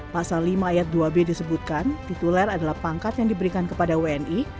pasal lima ayat dua b disebutkan tituler adalah pangkat yang diberikan kepada wni